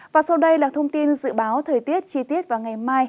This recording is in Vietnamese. và sau đây là thông tin dự báo thời tiết chi tiết vào ngày mai